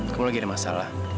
kamu lagi ada masalah